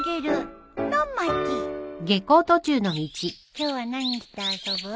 今日は何して遊ぶ？